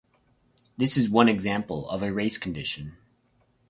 This is one example of a race condition.